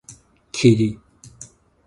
去 --lih